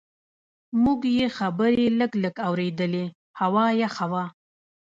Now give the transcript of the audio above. موږ یې خبرې لږ لږ اورېدلې، هوا یخه وه.